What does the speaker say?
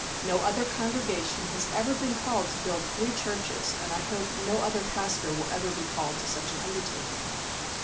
No other congregation has ever been called to build three churches, and I hope no other pastor will ever be called to such an undertaking.